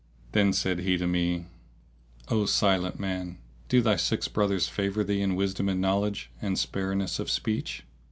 Then said he to me, "O Silent Man, do thy six brothers favour thee in wisdom and knowledge and spareness of speech?"